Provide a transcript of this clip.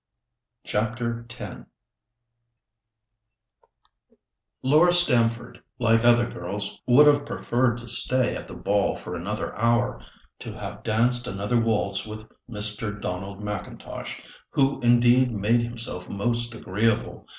CHAPTER X Laura Stamford, like other girls, would have preferred to stay at the ball for another hour—to have danced another waltz with Mr. Donald M'Intosh, who indeed made himself most agreeable.